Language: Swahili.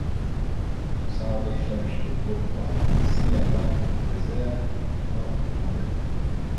Husababisha mshtuko wa hisia za kuchezea kwa Komodo